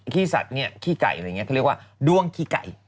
ขี้สัตว์เนี่ยขี้ไก่อะไรอย่างนี้เขาเรียกว่าด้วงขี้ไก่